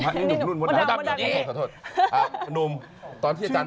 ชื่อมันต่างกันเยอะมากเลยนะ